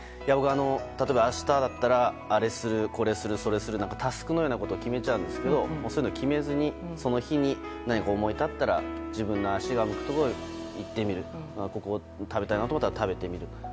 僕、例えば明日だったらあれする、これするそれする、タスクのようなことを決めちゃうんですけどそういうの決めずにその日に何か思い立ったら自分の足が向くところに行ってみるここを食べたいなと思ったら食べてみる。